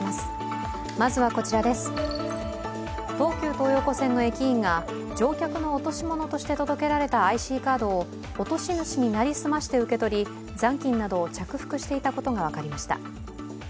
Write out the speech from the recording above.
東急東横線の駅員が乗客の落とし物として届けられたＩＣカードを落とし主に成り済まして受け取り、残金などを着服していたことが分かりました。